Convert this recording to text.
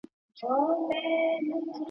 په خپل کور کي یې پردی پر زورور دی.